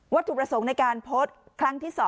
ถูกประสงค์ในการโพสต์ครั้งที่๒